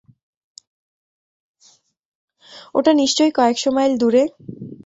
ওটা নিশ্চয় কয়েকশো মাইল দূরে।